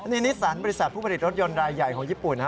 นี่นิสสันบริษัทผู้ผลิตรถยนต์รายใหญ่ของญี่ปุ่น